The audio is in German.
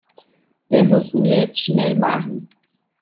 Wir müssen jetzt schnell machen.